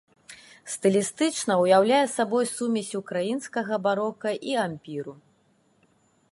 Стылістычна ўяўляе сабой сумесь ўкраінскага барока і ампіру.